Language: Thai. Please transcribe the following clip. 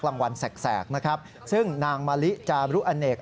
วันแสกนะครับซึ่งนางมะลิจารุอเนก